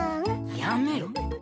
やめろ。